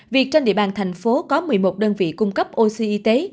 việc trên địa bàn thành phố có một mươi một đơn vị cung cấp oxy y tế